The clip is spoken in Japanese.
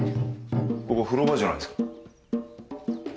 ここ風呂場じゃないですか。